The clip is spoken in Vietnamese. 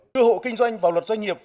thưa hộ kinh doanh và luật doanh nghiệp